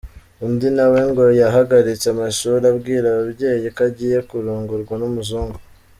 Undi na we ngo yahagaritse amashuri abwira ababyeyi ko agiye kurongorwa n’umuzungu.